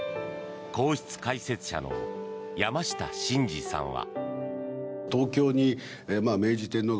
皇室解説者の山下晋司さんは。